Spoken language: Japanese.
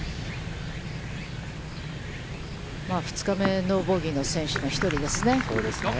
２日目、ノーボギーの選手の１人ですね。